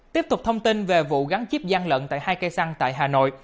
tiếp tục thông tin về vụ gắn chip gian lận tại hai cây xăng tại hà nội